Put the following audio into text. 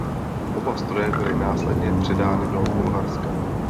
Oba stroje byly následně předány do Bulharska.